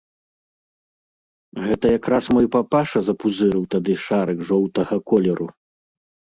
Гэта як раз мой папаша запузырыў тады шарык жоўтага колеру.